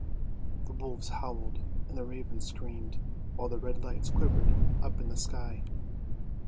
The wolves howled and the ravens screamed, while the red lights quivered up in the sky.